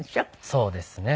そうですね。